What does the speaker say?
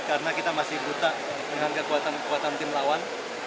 karena kita masih buta dengan kekuatan kekuatan tim lawan